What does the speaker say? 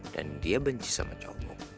dan dia benci sama cowok